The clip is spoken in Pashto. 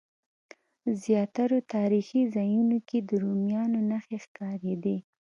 زیاترو تاریخي ځایونو کې د رومیانو نښې ښکارېدې.